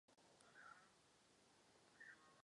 Poté pokračoval ve studiu teologie v Gorici.